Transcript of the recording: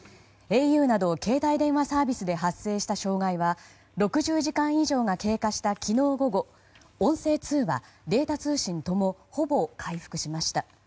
ａｕなど携帯電話サービスで発生した障害は６０時間以上が経過した昨日午後音声通話、データ通信ともほぼ回復しました。